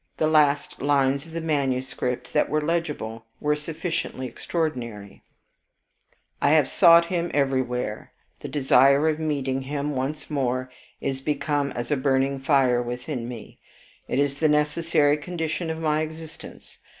The last lines of the manuscript that were legible, were sufficiently extraordinary. ........ "I have sought him everywhere. The desire of meeting him once more is become as a burning fire within me, it is the necessary condition of my existence.